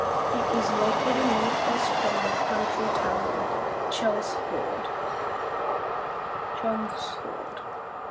It is located Northwest from the county town of Chelmsford.